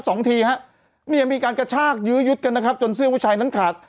สองทีฮะเนี่ยมีการกระชากยื้อยุดกันนะครับจนเสื้อผู้ชายนั้นขาด